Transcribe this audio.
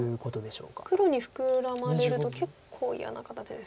黒にフクラまれると結構嫌な形ですか。